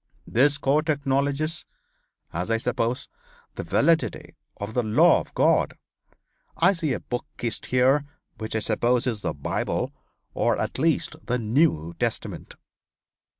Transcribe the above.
This court acknowledges as I suppose the validity of the law of God. I see a book kissed here which I suppose is the Bible, or at least the New Testament.